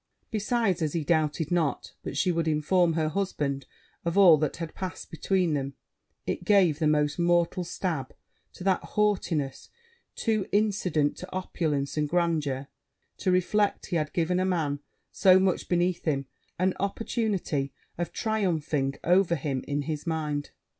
Besides, as he doubted not but she would inform her husband of all that had passed between them, it gave the most mortal stab to that haughtiness too incident to opulence and grandeur, to reflect he had given a man, so much beneath him, an opportunity of triumphing over him in his mind.